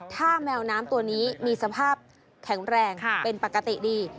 ถ้าแมวน้ำตัวนี้มีสภาพแข็งแรงเป็นปกติดี